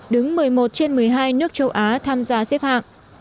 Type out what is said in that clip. đứng một mươi một trên một mươi hai nước châu á tham gia xếp hạng